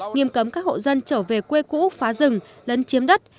nghiêm cấm các hộ dân trở về quê cũ phá rừng lấn chiếm đất